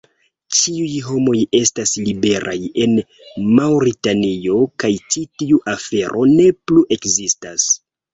Ĉiuj homoj estas liberaj en Maŭritanio kaj ĉi tiu afero ne plu ekzistas.